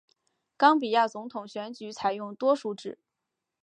冈比亚总统选举采用多数制。